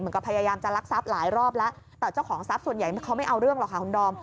พยายามจะลักทรัพย์หลายรอบแล้วแต่เจ้าของทรัพย์ส่วนใหญ่เขาไม่เอาเรื่องหรอกค่ะคุณดอม